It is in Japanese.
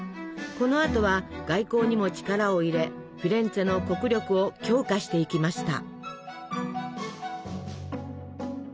このあとは外交にも力を入れフィレンツェの国力を強化していきました。